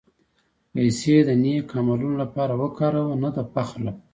پېسې د نېک عملونو لپاره وکاروه، نه د فخر لپاره.